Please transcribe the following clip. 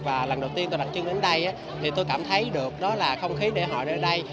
và lần đầu tiên tôi đặt chân đến đây thì tôi cảm thấy được đó là không khí lễ hội này ở đây